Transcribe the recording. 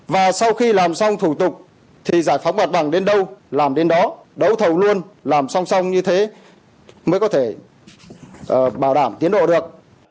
và sau khi làm xong thủ tục thì giải phóng mặt bằng đến đâu làm đến đó đấu thầu luôn làm song song như thế mới có thể bảo đảm tiến độ được